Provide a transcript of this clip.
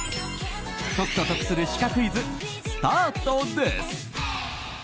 解くと得するシカクイズスタートです。